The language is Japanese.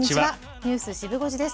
ニュースシブ５時です。